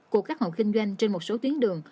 của các hộ kinh doanh trên một số tuyến đường